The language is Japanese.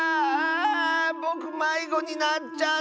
ぼくまいごになっちゃった！